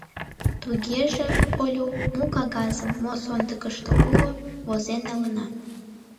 — Тугеже, Олю, му кагазым — мо сондыкышто уло, возен налына.